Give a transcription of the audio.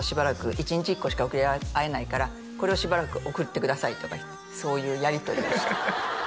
１日１個しか贈りあえないから「これをしばらく贈ってください」とかいってそういうやり取りをしてハハハ